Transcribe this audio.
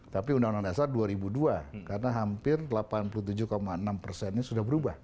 tapi undang undang dasar dua ribu dua karena hampir delapan puluh tujuh enam persennya sudah berubah